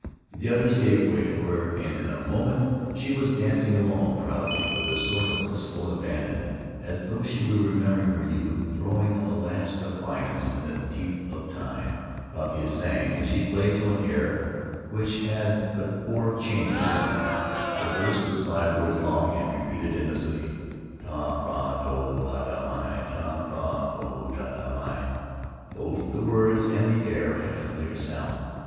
The others gave way to her, and in a moment she was dancing alone, proudly, with a sort of wistful abandon, as though she were remembering her youth, throwing a last defiance in the teeth of Time. Kaupia sang as she played to an air [15(5] An Adventure in Solitude which had but four changes in it. The verse was five words long and repeated endlessly. Tufra to potta mi y Tu fra to potta mi. Both the words and the air had a familiar sound.